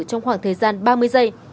trong khoảng thời gian ba mươi giây